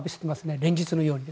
連日のように。